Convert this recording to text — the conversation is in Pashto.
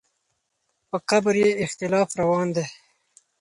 په قبر یې اختلاف روان دی.